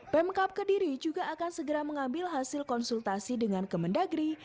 pemkap kediri juga akan segera mengambil hasil konsultasi dengan kemendagri